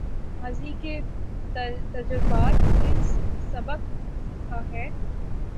ماضی کے تجربات سے سبق سیکھا ہے